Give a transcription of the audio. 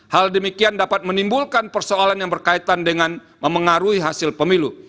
hal demikian dapat menimbulkan persoalan yang berkaitan dengan memengaruhi hasil pemilu